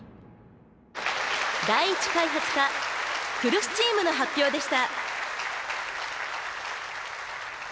第一開発課来栖チームの発表でした。